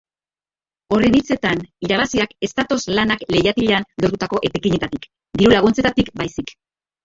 Horren hitzetan, irabaziak ez datoz lanak leihatilan lortutako etekinetatik, diru-laguntzetatik baizik.